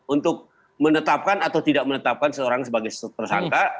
untuk menetapkan atau tidak menetapkan seorang sebagai tersangka